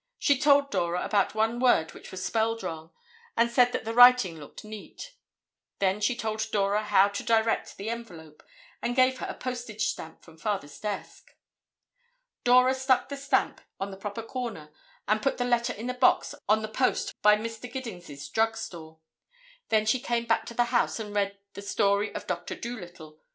She told Dora about one word which was spelled wrong and said that the writing looked neat. Then she told Dora how to direct the envelope and gave her a postage stamp from Father's desk. Dora stuck the stamp on the proper corner and put the letter in the box on the post by Mr. Giddings' drug store. Then she came back to the house and read the "Story of Doctor Dolittle."